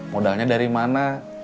modalnya dari mana